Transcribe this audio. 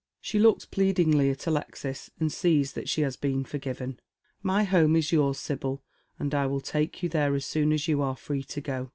She looks pleadingly at Alexis, and sees that she has been forgiven. "My home is yours, Sibyl, and I will take you there as soon as you are free to go.